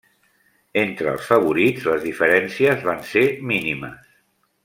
Entre els favorits les diferències van ser mínimes.